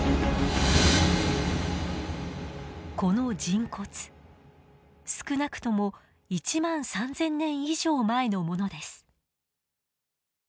この人骨少なくとも１万３，０００年以上前のものです。